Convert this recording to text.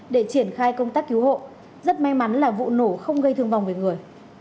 để triển khai công tác cứu hộ rất may mắn là vụ nổ không gây thương vong về người